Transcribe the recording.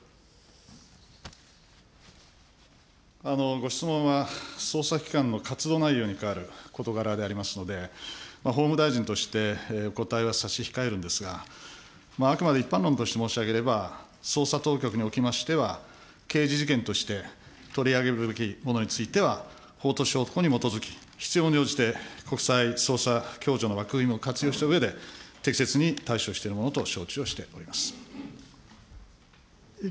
ご質問は捜査機関の活動内容に関わる事柄でありますので、法務大臣としてお答えは差し控えるんですが、あくまで一般論として申し上げれば、捜査当局におきましては、刑事事件として取り上げるべきものについては、法と証拠に基づき必要に応じて国際捜査きょうじょの枠組みを活用したうえで、適切に対処しているものと承知をしております。